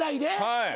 はい。